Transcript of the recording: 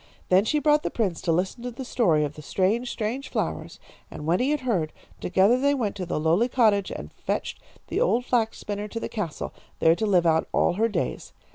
Then she brought the prince to listen to the story of the strange, strange flowers, and when he had heard, together they went to the lowly cottage and fetched the old flax spinner to the castle, there to live out all her days.